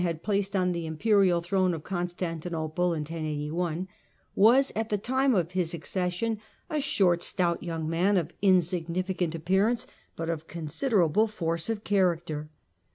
had placed on the imperial throne of Constanti losi^Tis' nople in 1081, was at the time of his accession a short, stout young man of insignificant appearance, but of considerable force of character.